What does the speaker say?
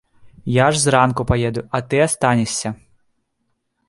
Я ж зранку паеду, а ты астанешся.